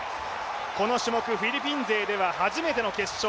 この種目、フィリピン勢では初めての決勝。